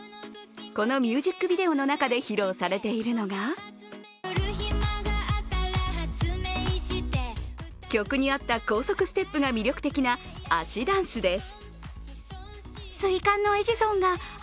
このミュージックビデオの中で披露されているのが曲に合った高速ステップが魅力的な足ダンスです。